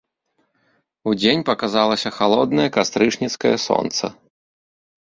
Удзень паказалася халоднае кастрычніцкае сонца.